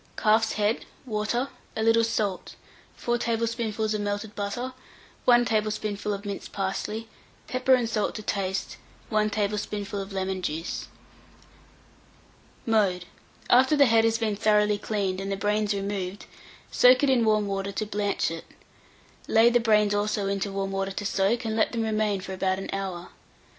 Calf's head, water, a little salt, 4 tablespoonfuls of melted butter, 1 tablespoonful of minced parsley, pepper and salt to taste, 1 tablespoonful of lemon juice. [Illustration: CALF'S HEAD.] [Illustration: HALF A CALF'S HEAD.] Mode. After the head has been thoroughly cleaned, and the brains removed, soak it in warm water to blanch it. Lay the brains also into warm water to soak, and let them remain for about an hour.